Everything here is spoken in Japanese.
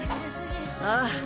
ああ。